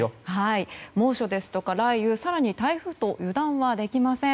猛暑ですとか雷雨更に台風と油断はできません。